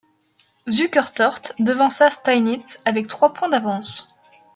Zukertort devança Steinitz, avec trois points d'avance.